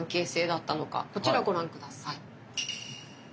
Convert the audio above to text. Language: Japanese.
こちらご覧下さい。